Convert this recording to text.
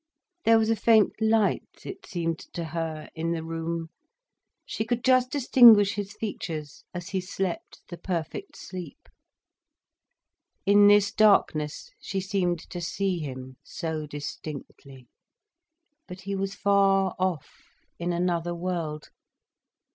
There was a faint light, it seemed to her, in the room. She could just distinguish his features, as he slept the perfect sleep. In this darkness, she seemed to see him so distinctly. But he was far off, in another world.